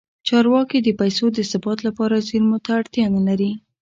چارواکي د پیسو د ثبات لپاره زیرمو ته اړتیا نه لري.